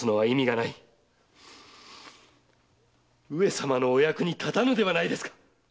上様のお役に立たぬではないですか！